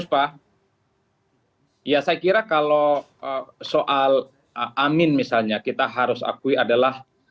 saya kira kalau soal amin misalnya kita harus akui adalah